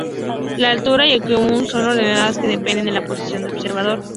La altura y el acimut son coordenadas que dependen de la posición del observador.